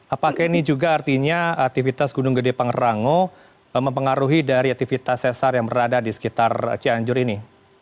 apakah ini juga artinya aktivitas gunung gede pangrango mempengaruhi dari aktivitas sesar yang berada di sekitar cianjur ini